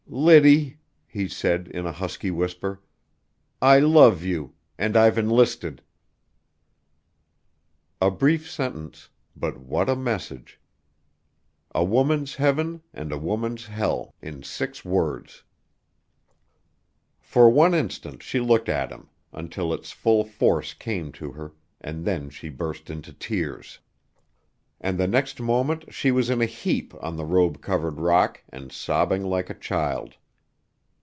"Liddy," he said in a husky whisper, "I love you, and I've enlisted!" A brief sentence, but what a message! A woman's heaven and a woman's hell in six words! For one instant she looked at him, until its full force came to her and then she burst into tears, and the next moment she was in a heap on the robe covered rock and sobbing like a child.